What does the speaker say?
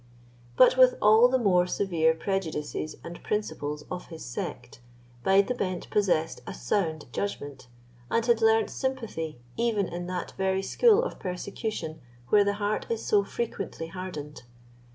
But with all the more severe prejudices and principles of his sect, Bide the Bent possessed a sound judgment, and had learnt sympathy even in that very school of persecution where the heart is so frequently hardened.